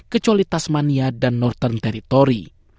kecuali tasmania dan northern territory